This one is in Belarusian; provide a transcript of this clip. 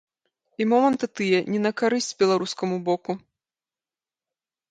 І моманты тыя не на карысць беларускаму боку.